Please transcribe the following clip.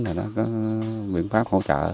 nó có nguyện pháp hỗ trợ